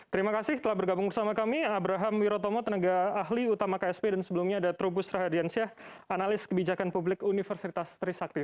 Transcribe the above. terima kasih telah bergabung bersama kami abraham wirotomo tenaga ahli utama ksp dan sebelumnya ada trubus rahadiansyah analis kebijakan publik universitas trisakti